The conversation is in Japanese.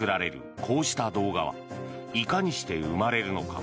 こうした動画はいかにして生まれるのか。